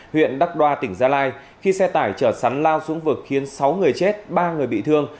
huyện đắc đoa tỉnh gia lai khi xe tải chở sắn lao xuống vực khiến sáu người chết ba người bị thương